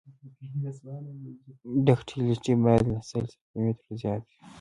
ډکټیلیټي باید له سل سانتي مترو زیاته وي